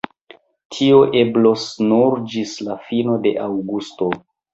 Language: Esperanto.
Tio eblos nur ĝis la fino de aŭgusto.